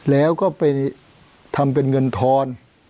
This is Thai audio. แล้วก็ไปทำเป็นเงินทอน